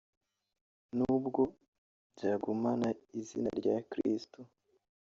nubwo byagumana izina rya Kristu